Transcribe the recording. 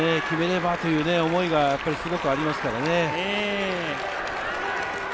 決めればという思いがすごくありますからね。